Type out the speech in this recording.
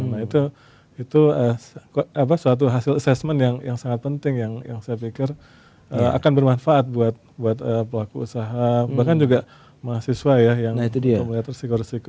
nah itu suatu hasil assessment yang sangat penting yang saya pikir akan bermanfaat buat pelaku usaha bahkan juga mahasiswa ya yang melihat resiko resiko